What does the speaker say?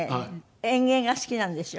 園芸が好きなんですよ。